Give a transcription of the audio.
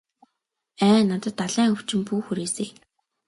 Ай надад далайн өвчин бүү хүрээсэй.